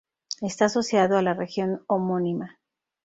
Está asociado a la región homónima.